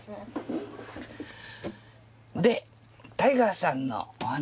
でタイガーさんのお話。